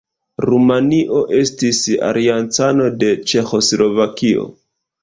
Rumanio estis aliancano de Ĉeĥoslovakio.